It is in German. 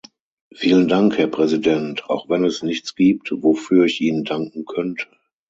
Vielen Dank, Herr Präsident, auch wenn es nichts gibt, wofür ich Ihnen danken könnte.